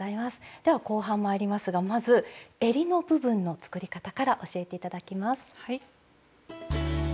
では後半まいりますがまずえりの部分の作り方から教えて頂きます。